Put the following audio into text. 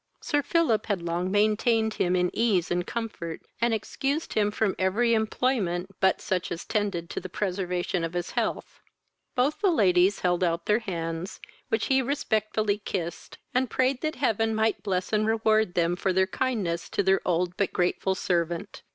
Sir Philip had long maintained him in ease and comfort, and excused him from every employment, but such as tended to the preservation of his health. Both ladies held out their hands, which he respectfully kissed, and preyed that heaven might bless and reward them for their kindness to their old but grateful servant.